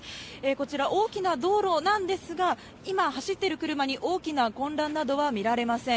こちら、大きな道路なんですが、今、走っている車に大きな混乱などは見られません。